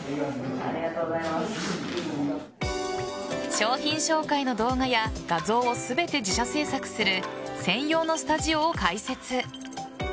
商品紹介の動画や画像を全て自社制作する専用のスタジオを開設。